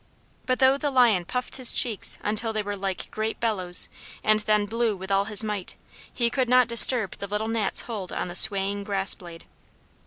But though the Lion puffed his cheeks until they were like great bellows, and then blew with all his might, he could not disturb the little Gnat's hold on the swaying grass blade.